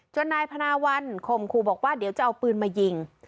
นายพนาวัลข่มขู่บอกว่าเดี๋ยวจะเอาปืนมายิง